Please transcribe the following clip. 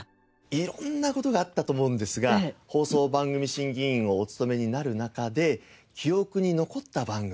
色んな事があったと思うんですが放送番組審議委員をお務めになる中で記憶に残った番組